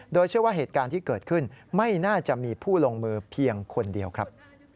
โดยเชื่อว่าเหตุการณ์ที่เกิดขึ้นไม่น่าจะมีผู้ลงมือเพียงคนเดียวครับ